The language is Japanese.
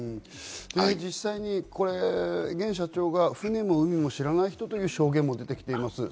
実際、現社長が船も海も知らない人という証言も出てきています。